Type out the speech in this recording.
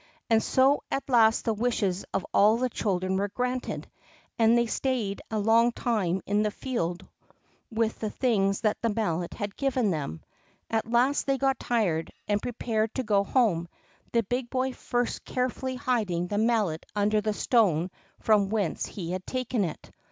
And so at last the wishes of all the children were granted, and they stayed a long time in the field with the things the Mallet had given them. At last they got tired, and prepared to go home; the big boy first carefully hiding the Mallet under the stone from whence he had taken it.